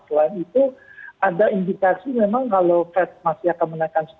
selain itu ada indikasi memang kalau fed masih akan menaikkan